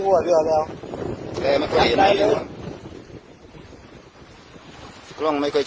น่าพวกมันอดหนึ่งอยู่ที่นี้